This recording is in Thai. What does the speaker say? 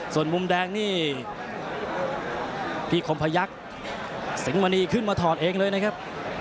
ส่วนมุมแดงนี่พี่คมพยักษ์สิงหมณีขึ้นมาถอดเองเลยนะครับ